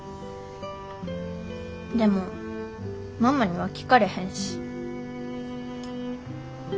でもママには聞かれへんし。